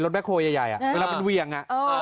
รถแบคโครใหญ่เวลาเป็นเวียง